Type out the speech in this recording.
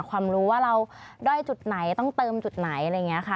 ความรู้ว่าเราด้อยจุดไหนต้องเติมจุดไหนอะไรอย่างนี้ค่ะ